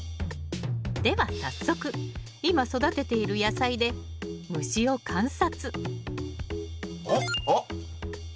では早速今育てている野菜で虫を観察あっあっ。